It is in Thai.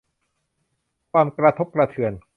ความกระทบกระเทือน